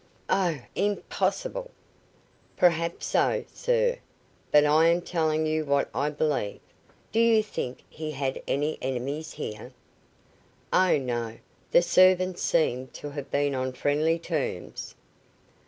"Oh, impossible." "Perhaps so, sir, but I am telling you what I believe. Do you think he had any enemies here?" "Oh, no; the servants seemed to have been on friendly terms."